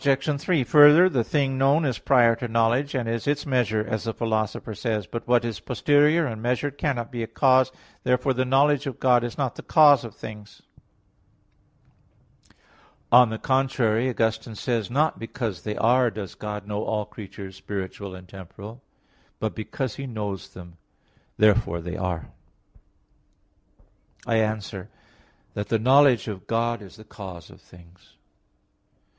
3: Further, "The thing known is prior to knowledge, and is its measure," as the Philosopher says (Metaph. x). But what is posterior and measured cannot be a cause. Therefore the knowledge of God is not the cause of things. On the contrary, Augustine says (De Trin. xv), "Not because they are, does God know all creatures spiritual and temporal, but because He knows them, therefore they are." I answer that, The knowledge of God is the cause of things.